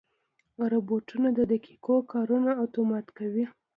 روبوټونه د دقیقو کارونو اتومات کوي.